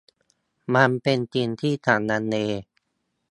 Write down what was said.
มันเป็นจริงที่ฉันลังเล